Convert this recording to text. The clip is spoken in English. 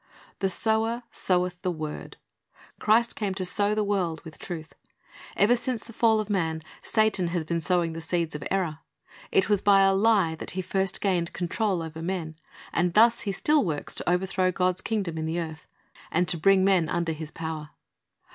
"The sower soweth the word." Christ came to sow the world with truth. Ever since the fall of man, Satan has been sowing the seeds of error. It was by a lie that he first gained control over men, and thus he still works to overthrow God's kingdom in the earth, and to bring men 38 Christ's Object Lessons under his power.